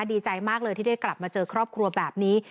ดีใจมากเลยที่ได้กลับมาเจอครอบครัวแบบนี้